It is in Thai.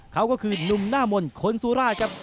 เขาก็คือนุ่มหน้ามนต์คนสุราชครับ